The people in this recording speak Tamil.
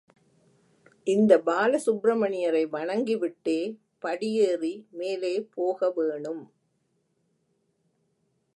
இந்தப் பாலசுப்பிரமணியரை வணங்கிவிட்டே படியேறி மேலே போகவேணும்.